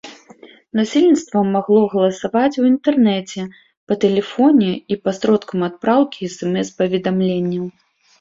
Насельніцтва магло галасаваць у інтэрнэце, па тэлефоне і пасродкам адпраўкі смс-паведамленняў.